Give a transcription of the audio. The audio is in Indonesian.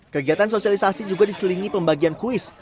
kegiatan sosialisasi juga diselingi pembagian kuis